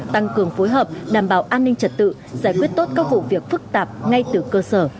tăng cường phối hợp đảm bảo an ninh trật tự giải quyết tốt các vụ việc phức tạp ngay từ cơ sở